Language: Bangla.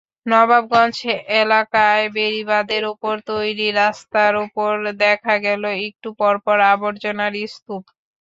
নবাবগঞ্জ এলাকায় বেড়িবাঁধের ওপর তৈরি রাস্তার ওপর দেখা গেল একটু পরপর আবর্জনার স্তূপ।